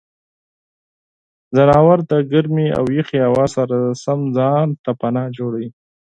ځناور د ګرمې او یخې هوا سره سم ځان ته پناه جوړوي.